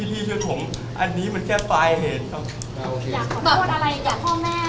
พี่เชื่อผมอันนี้มันแค่ไปเหตุครับ